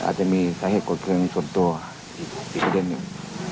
อาจจะมีสาเหตุกดเครื่องส่วนตัวอีกประเด็นหนึ่ง